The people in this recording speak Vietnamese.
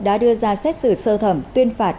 đã đưa ra xét xử sơ thẩm tuyên phạt